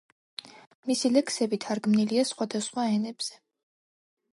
მისი ლექსები თარგმნილია სხვადასხვა ენებზე.